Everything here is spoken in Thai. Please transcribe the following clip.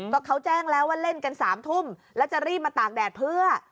ก็เขาแจ้งแล้วว่าเล่นกัน๓ทุ่มแล้วจะรีบมาตากแดดเพื่อ